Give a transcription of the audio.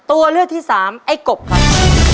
ตัวเลือกที่สามไอ้กบครับ